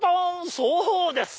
そうです